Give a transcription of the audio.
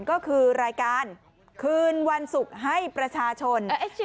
ก็คือรายการคืนวันศุกร์ให้ประชาชน